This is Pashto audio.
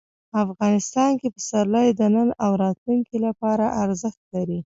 افغانستان کې پسرلی د نن او راتلونکي لپاره ارزښت لري.